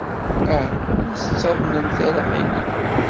Ah, ur as-ttaḍnemt ara aɣilif.